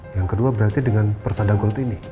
yang kedua berarti dengan persada gold ini